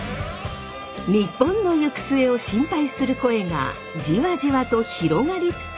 日本の行く末を心配する声がじわじわと広がりつつあった。